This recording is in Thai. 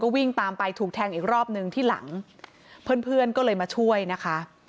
วิ่งตามไปถูกแทงอีกรอบนึงที่หลังเพื่อนเพื่อนก็เลยมาช่วยนะคะ